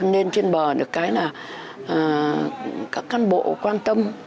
nên trên bờ được cái là các căn bộ quan tâm